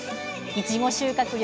いちご収穫量